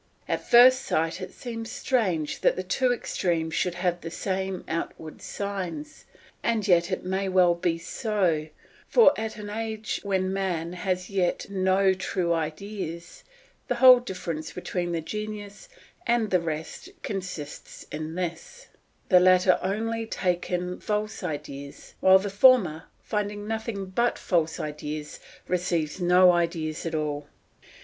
At first sight it seems strange that the two extremes should have the same outward signs; and yet it may well be so, for at an age when man has as yet no true ideas, the whole difference between the genius and the rest consists in this: the latter only take in false ideas, while the former, finding nothing but false ideas, receives no ideas at all.